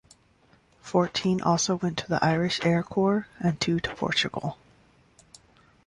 Fourteen also went to the Irish Air Corps and two to Portugal.